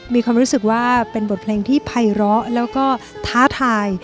มีความรู้สึกว่าเป็นบทเพลงที่ภัยร้อแล้วก็ท้าทาย